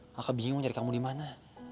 kakak bingung mau cari kamu di mana